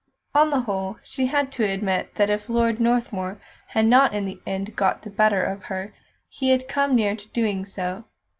On the whole, she had to admit that if Lord Northmuir had not in the end got the better of her, he had come near to doing so.